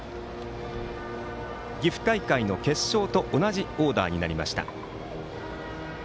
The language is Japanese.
岐阜大会の決勝と同じオーダーになりました。